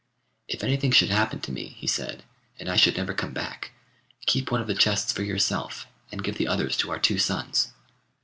'If anything should happen to me,' he said, 'and I should never come back, keep one of the chests for yourself, and give the others to our two sons.